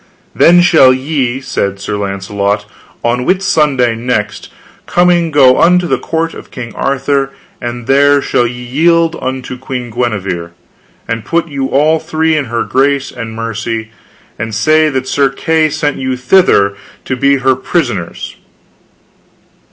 Then shall ye, said Sir Launcelot, on Whitsunday next coming go unto the court of King Arthur, and there shall ye yield you unto Queen Guenever, and put you all three in her grace and mercy, and say that Sir Kay sent you thither to be her prisoners.